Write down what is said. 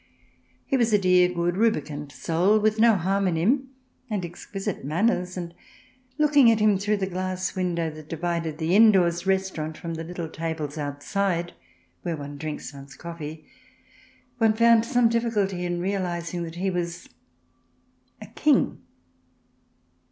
He was a dear, good, rubicund soul, with no harm in him, and exquisite manners, and looking at him through the glass window that divided the indoors restaurant from the little tables outside where one drinks one's coffee, one found some difficulty in realizing that he was a King.